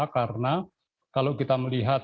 karena kalau kita melihat